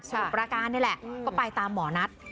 ประการนี่แหละก็ไปตามหมอนัท